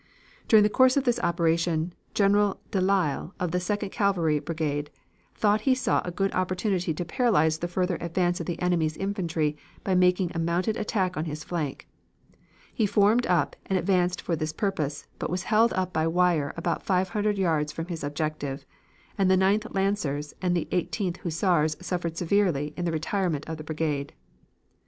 "During the course of this operation General De Lisle, of the Second Cavalry Brigade, thought he saw a good opportunity to paralyze the further advance of the enemy's infantry by making a mounted attack on his flank. He formed up and advanced for this purpose, but was held up by wire about five hundred yards from his objective, and the Ninth Lancers and the Eighteenth Hussars suffered severely in the retirement of the brigade.